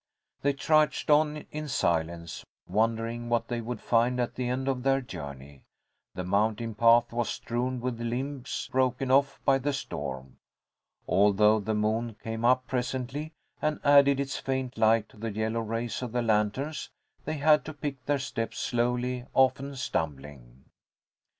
They trudged on in silence, wondering what they would find at the end of their journey. The mountain path was strewn with limbs broken off by the storm. Although the moon came up presently and added its faint light to the yellow rays of the lanterns, they had to pick their steps slowly, often stumbling.